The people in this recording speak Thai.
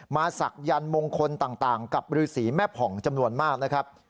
ศักยันต์มงคลต่างกับฤษีแม่ผ่องจำนวนมากนะครับ